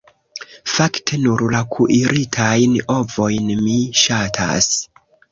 Fakte nur la kuiritajn ovojn mi ŝatas.